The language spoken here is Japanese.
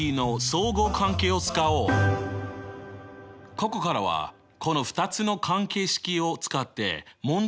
ここからはこの２つの関係式を使って問題を解いていくよ。